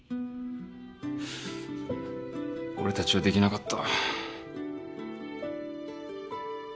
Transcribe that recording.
俺たちはできなかった。